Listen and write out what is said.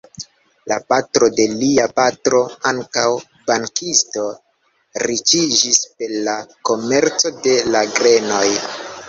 La patro de lia patro, ankaŭ bankisto, riĉiĝis per la komerco de la grenoj.